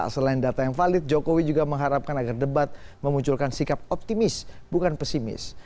selain data yang valid jokowi juga mengharapkan agar debat memunculkan sikap optimis bukan pesimis